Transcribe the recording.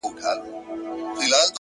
علم د حل لارې پیدا کوي’